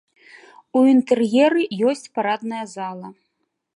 У інтэр'еры ёсць парадная зала.